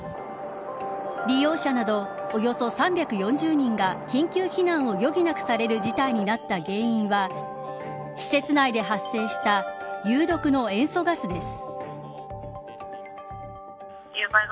利用者など、およそ３４０人が緊急避難を余儀なくされる事態になった原因は施設内で発生した有毒の塩素ガスです。